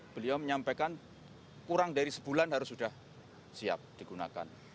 beliau menyampaikan kurang dari sebulan harus sudah siap digunakan